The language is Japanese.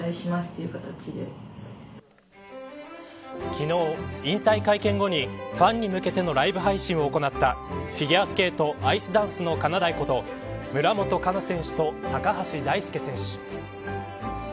昨日、引退会見後にファンに向けてのライブ配信を行ったフィギュアスケートのアイスダンスのかなだいこと村元哉中選手と高橋大輔選手。